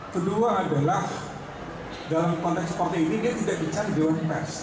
kedua adalah dalam konteks seperti ini dia tidak bicara di dewan pers